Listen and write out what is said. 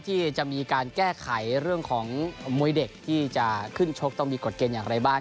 ที่จะมีการแก้ไขเรื่องของมวยเด็กที่จะขึ้นชกต้องมีกฎเกณฑ์อย่างไรบ้าง